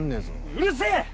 うるせえ！